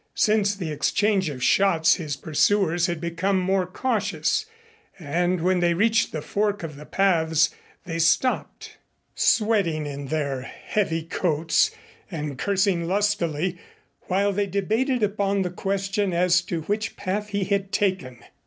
Since the exchange of shots his pursuers had become more cautious and when they reached the fork of the paths they stopped, sweating in their heavy coats and cursing lustily, while they debated upon the question as to which path he had taken.